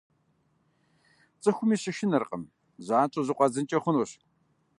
ЦӀыхуми щышынэркъым – занщӀэу зыкъуадзынкӀэ хъунущ.